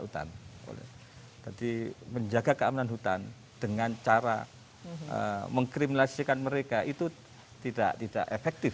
hutan jadi menjaga keamanan hutan dengan cara mengkriminasikan mereka itu tidak tidak efektif